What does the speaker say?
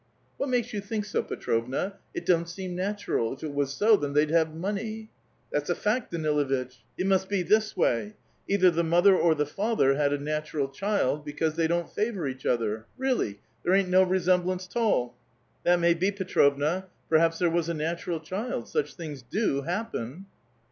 *'What makes you think so, Petrovna? It don't seem natural. If it was so, then thev'd have nionev." ^^ That's a fact, Daniluitch. It must be this way: either t:he mother or the father had a natural child ; because thev f^on't favor each other. Really, there ain't no resemblance *tall." *'That may be, Petrovna; perhaps there was a natural ohild. Such things do happen."